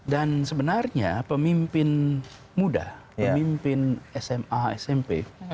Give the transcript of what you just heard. dan sebenarnya pemimpin muda pemimpin sma smp